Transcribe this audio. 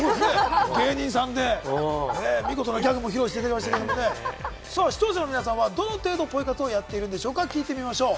芸人さんで見事なギャグも披露していただきましたが、視聴者の皆さんはどの程度ポイ活をやっているのか聞いてみましょう。